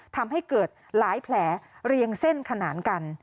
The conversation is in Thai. ทำให้เกิดหลายแผลเรียงเส้นขนานกัน